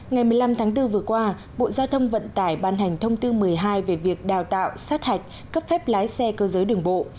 ngày một mươi năm tháng bốn vừa qua bộ giao thông vận tải ban hành thông tư một mươi hai về việc đào tạo sát hạch cấp phép lái xe cơ giới đường bộ